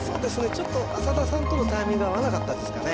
ちょっと浅田さんとのタイミングが合わなかったですかね